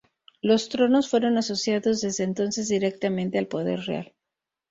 Los tronos fueron asociados desde entonces directamente al poder real.